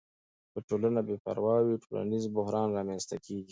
که ټولنه بې پروا وي، ټولنیز بحران رامنځته کیږي.